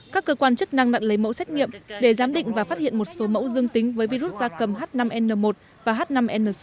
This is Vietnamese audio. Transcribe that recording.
các cơ quan chức năng đã lấy mẫu xét nghiệm để giám định và phát hiện một số mẫu dương tính với virus gia cầm h năm n một và h năm n sáu